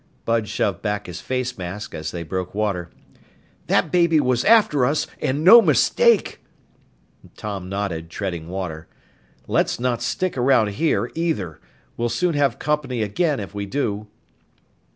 Bud shoved back his face mask as they broke water. "That baby was after us and no mistake!" Tom nodded, treading water. "Let's not stick around here, either! We'll soon have company again if we do!"